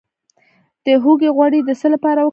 د هوږې غوړي د څه لپاره وکاروم؟